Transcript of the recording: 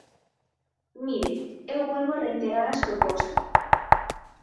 Mire, eu volvo reiterar as propostas.